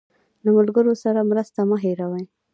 له ملګري سره مرسته مه هېروه.